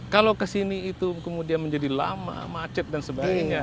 kalau kesini itu kemudian menjadi lama macet dan sebagainya